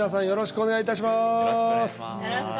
よろしくお願いします。